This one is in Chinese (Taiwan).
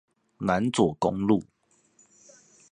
南左公路